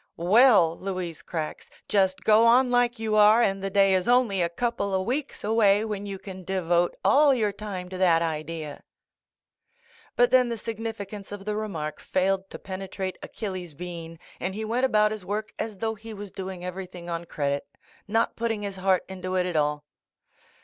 "Well," Louise cracks, "Just go on like you are and the day is only a couple a weeks away when you can devote all your time to that idea." But then, the significance of the remark failed to penetrate Achilles' bean and he went about his work as though he was doing everything on credit ; not putting his heart into it at all.